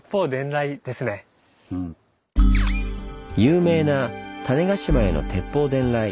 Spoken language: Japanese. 有名な種子島への鉄砲伝来。